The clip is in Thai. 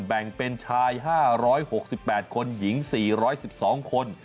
แบ่งเป็นชาย๕๖๘คนหญิง๔๑๒คน